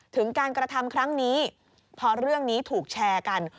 ถึงการกระทำครั้งนี้พอเรื่องนี้ถูกแชร์กัน